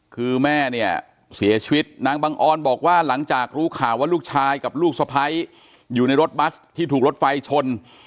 คือแม่เนี่ยเสียชีวิตนางบังออนบอกว่าหลังจากรู้ข่าวว่าลูกชายกับลูกสะพ้ายอยู่ในรถบัสที่ถูกรถไฟชน